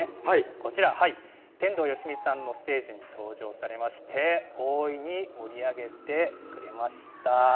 こちら、天童よしみさんのステージに登場されまして、大いに盛り上げてくれました。